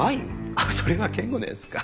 あっそれは健吾のやつか。